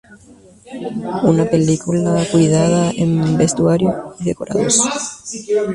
Es una película cuidada en vestuario y decorados.